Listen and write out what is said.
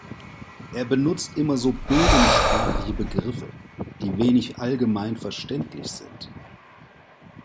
Er benutzt immer so bildungssprachliche Begriffe, die wenig allgemeinverständlich sind.